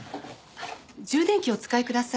充電器をお使いください。